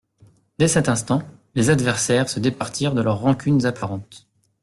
Dès cet instant, les adversaires se départirent de leurs rancunes apparentes.